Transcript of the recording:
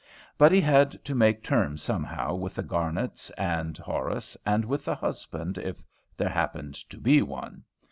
But he had to make terms, somehow, with the Garnets and Horace, and with the husband, if there happened to be one.